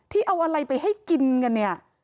ที่เอาอะไรไปให้กินกันเนี่ย